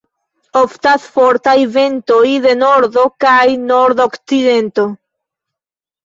Oftas fortaj ventoj de nordo kaj nord-okcidento.